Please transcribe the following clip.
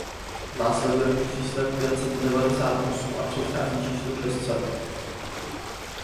Následuje po čísle pět set devadesát osm a předchází číslu šest set.